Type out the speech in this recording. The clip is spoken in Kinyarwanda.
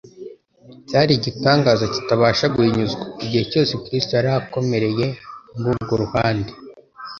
cyari igitangaza kitabasha guhinyuzwa. Igihe cyose Kristo yari akomereye muri urwo ruhande,